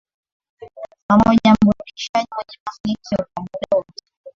Pamoja Mburudishaji Mwenye Mafanikio kwa Muda Wote